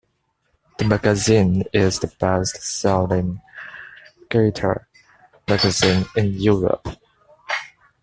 The magazine is the best selling guitar magazine in Europe.